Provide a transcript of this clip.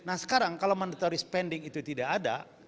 nah sekarang kalau mandatory spending itu tidak ada